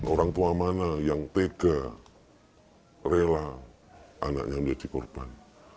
orang tua mana yang tega rela anaknya menjadi korban